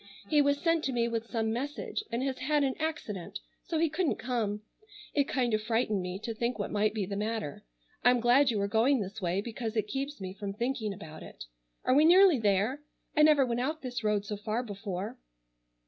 He was sent to me with some message and has had an accident so he couldn't come. It kind of frightened me to think what might be the matter. I'm glad you are going this way because it keeps me from thinking about it. Are we nearly there? I never went out this road so far before."